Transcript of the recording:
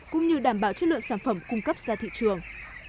cũng như đảm bảo chất lượng sản phẩm cung cấp ra thị trường